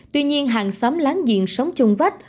tuy nhiên hàng xóm láng giềng sống chung vách